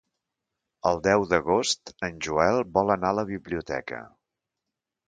El deu d'agost en Joel vol anar a la biblioteca.